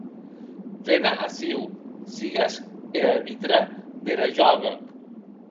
Vene aciu, sigues er arbitre dera jòga.